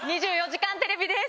２４時間テレビです。